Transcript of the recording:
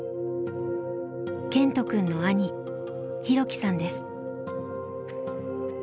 健人くんの兄大樹さんです。